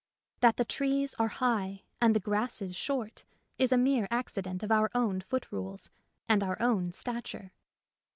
That the trees are high and the grasses short is a mere accident of our own foot rules and our own stature.